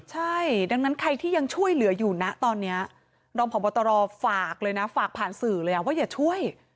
ใช่ดังนั้นใครที่ยังช่วยเหลืออยู่นะตอนนี้รองพบตรฝากเลยนะฝากผ่านสื่อเลยว่าอย่าช่วย